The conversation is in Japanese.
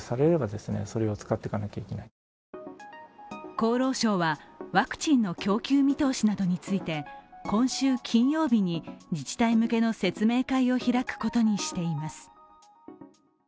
厚労省はワクチンの供給見通しなどについて今週金曜日に自治体向けの説明会を開くことにしています。